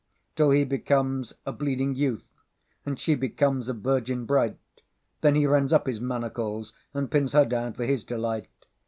Till he becomes a bleeding Youth, And she becomes a Virgin bright; Then he rends up his manacles, And binds her down for his delight.